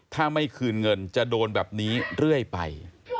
ถ้าไม่คืนเงินจะโดนแบบนี้เรื่อยไป